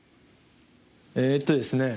えっとですね